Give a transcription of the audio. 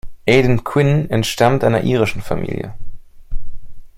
Aidan Quinn entstammt einer irischen Familie.